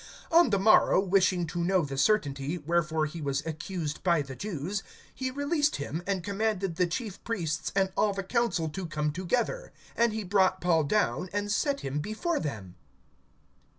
(30)On the morrow, wishing to know the certainty, wherefore he was accused by the Jews, he released him, and commanded the chief priests and all the council to come together; and he brought Paul down, and set him before them.